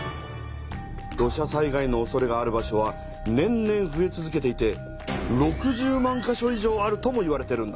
土砂災害のおそれがある場所は年々ふえ続けていて６０万か所以上あるともいわれてるんだ。